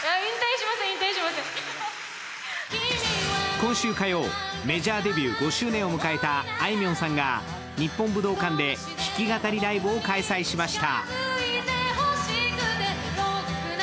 今週火曜、メジャーデビュー５周年を迎えたあいみょんさんが日本武道館で弾き語りライブを開催しました。